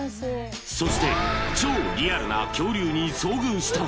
そして超リアルな恐竜に遭遇したら？